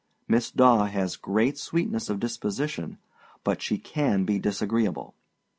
Miss Daw has great sweetness of disposition, but she can be disagreeable.